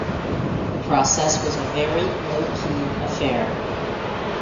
The process was a very low-key affair.